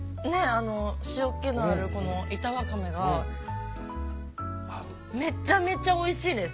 あの塩気のあるこの板わかめがめちゃめちゃおいしいです！